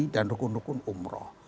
dan rukun rukun umroh